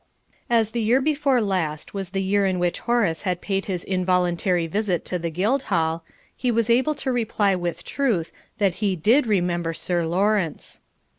As the year before last was the year in which Horace had paid his involuntary visit to the Guildhall, he was able to reply with truth that he did remember Sir Lawrence.